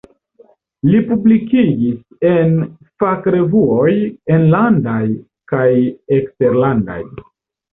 Li publikigis en fakrevuoj enlandaj kaj eksterlandaj.